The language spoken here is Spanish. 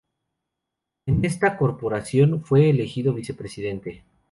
En esta corporación fue elegido vicepresidente.